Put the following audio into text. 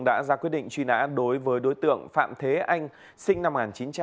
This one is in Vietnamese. đã ra quyết định truy nã đối với đối tượng phạm thế anh sinh năm một nghìn chín trăm tám mươi